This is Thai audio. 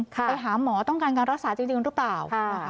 ไปหาหมอต้องการการรักษาจริงหรือเปล่า